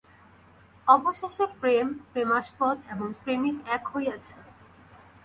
অবশেষে প্রেম, প্রেমাস্পদ এবং প্রেমিক এক হইয়া যায়।